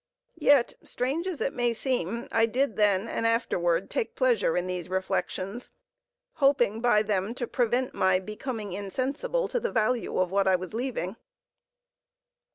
Yet, strange as it may seem, I did then and afterward take pleasure in these reflections, hoping by them to prevent my becoming insensible to the value of what I was leaving.